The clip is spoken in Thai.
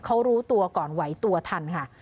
เขารู้ตัวก่อนไหวตัวทันค่ะ